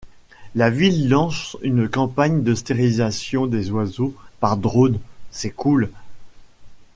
La ville lance une campagne de stérilisation des oiseaux par drone, c'est cool.